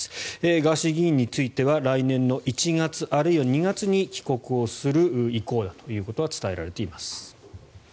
ガーシー議員については来年の１月あるいは２月に帰国をする意向だとは伝えられています。